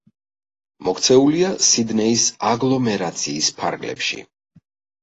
მოქცეულია სიდნეის აგლომერაციის ფარგლებში.